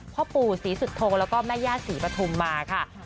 พ่อปู่ศรีสุโธแล้วก็แม่ย่าศรีปฐุมมาค่ะ